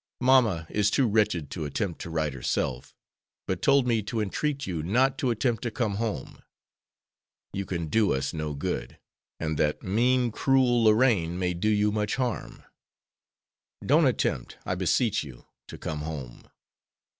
Mamma is too wretched to attempt to write herself, but told me to entreat you not to attempt to come home. You can do us no good, and that mean, cruel Lorraine may do you much harm. Don't attempt, I beseech you, to come home.